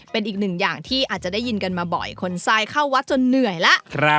เป็นอีกหนึ่งอย่างที่อาจจะได้ยินกันมาบ่อยคนทรายเข้าวัดจนเหนื่อยแล้ว